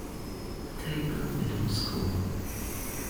Tabor Middle School.